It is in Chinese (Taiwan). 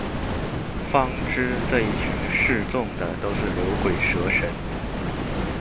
方知這一大群示眾的都是牛鬼蛇神